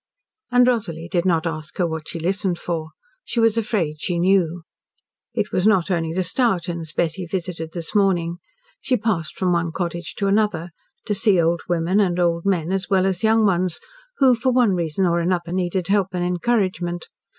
And Rosalie did not ask her what she listened for. She was afraid she knew. It was not only the Stourtons Betty visited this morning. She passed from one cottage to another to see old women, and old men, as well as young ones, who for one reason or another needed help and encouragement.